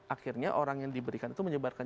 akhirnya orang yang diberikan itu menyebarkan